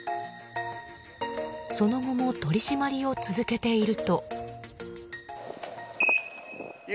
その後も取り締まりを続けていると。